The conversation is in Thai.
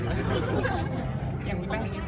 แม่กับผู้วิทยาลัย